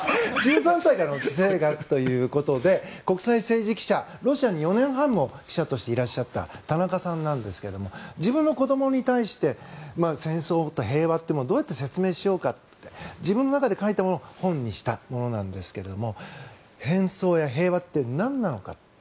「１３歳からの地政学」ということで国際政治記者ロシアに４年半も記者としていらっしゃった田中さんなんですが自分の子どもに対して戦争と平和をどう説明しようか自分の言葉で書いたものを本にしたものなんですが戦争や平和ってなんなのか。